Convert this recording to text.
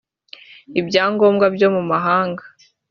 ibyangombwa byo mu mahanga